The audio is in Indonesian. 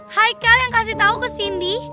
haikal yang kasih tau ke cindy